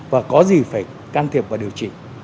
và có gì phải can thiệp và điều trị